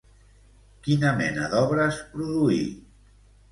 Quina mena d'obres produí?